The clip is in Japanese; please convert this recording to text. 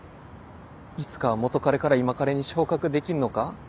いつかは元カレから今カレに昇格できんのか。